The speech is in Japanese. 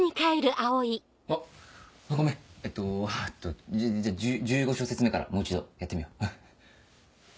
あっごめんえっとじゃあ１５小節目からもう一度やってみよう。